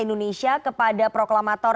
indonesia kepada proklamator